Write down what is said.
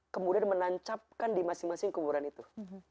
kemudian menancapkan di masing masing kuburan itu